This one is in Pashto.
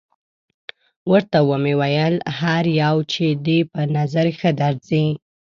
ورته ومې ویل: هر یو چې دې په نظر ښه درځي.